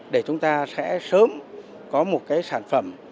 để chúng ta sẽ sớm có một sản phẩm